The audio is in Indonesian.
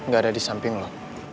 gak ada di samping lah